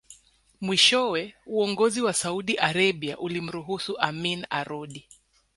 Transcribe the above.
Mwishowe uongozi wa Saudi Arabia ulimruhusu Amin arudi